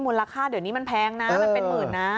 มูลค่าเดี๋ยวนี้มันแพงนะมันเป็นหมื่นนะ